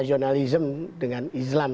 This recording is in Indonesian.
jurnalism dengan islam